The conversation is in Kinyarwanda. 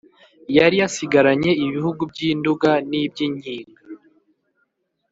yari yasigaranye ibihugu by’ induga n’ iby’ inkiga.